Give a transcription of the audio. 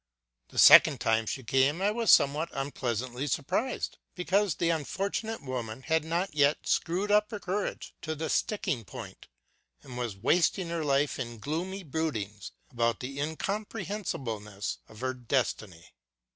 The second time she came I was somewhat unpleasantly surprised, because the unfortunate woman had not yet screwed her courage to the sticking point and was wasting her life in gloomy broodings about the incomprehensibleness of her destiny.